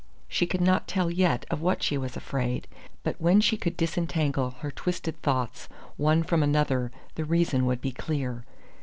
She could not tell yet of what she was afraid, but when she could disentangle her twisted thoughts one from another the reason would be clear.